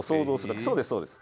そうですそうです。